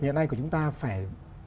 hiện nay của chúng ta phải